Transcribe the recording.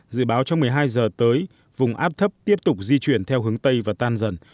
dự báo trong một mươi hai giờ tới vùng áp thấp tiếp tục di chuyển theo hướng tây và tan dần